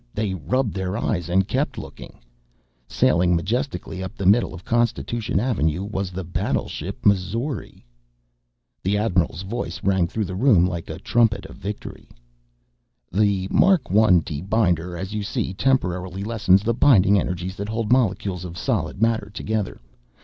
They rubbed their eyes and kept looking. Sailing majestically up the middle of Constitution Avenue was the battleship Missouri. The Admiral's voice rang through the room like a trumpet of victory. "The Mark 1 Debinder, as you see, temporarily lessens the binding energies that hold molecules of solid matter together.